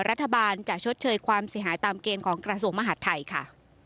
รัฐบาลจะชดเชยความเสียหายตามเกณฑ์ของกระทรวงมหาดไทยค่ะ